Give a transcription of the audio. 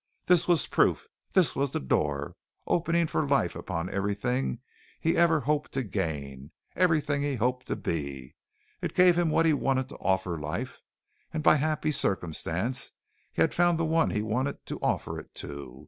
This was proof. This was the door, opening for life upon everything he ever hoped to gain, everything he hoped to be. It gave him what he wanted to offer life, and by happy circumstance, he had found the one he wanted to offer it to.